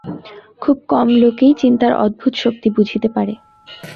খুব কম লোকেই চিন্তার অদ্ভুত শক্তি বুঝিতে পারে।